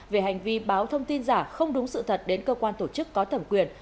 về hành vi báo thông tin giả không đúng sự thật đến cơ quan tổ chức có thẩm quyền